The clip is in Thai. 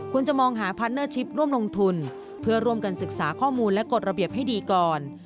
จะมองหาพาร์ทเนอร์ชิปร่วมลงทุนเพื่อร่วมกันศึกษาข้อมูลและกฎระเบียบให้ดีก่อน